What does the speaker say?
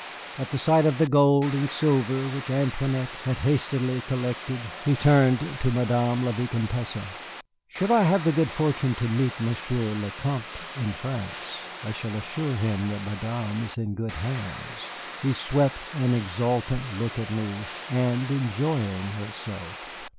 At the sight of the gold and silver which Antoinette had hastily collected, he turned to Madame la Vicomtesse. "Should I have the good fortune to meet Monsieur le Vicomte in France, I shall assure him that Madame is in good hands" (he swept an exultant look at me) "and enjoying herself."